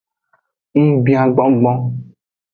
Ngubia gbongbon.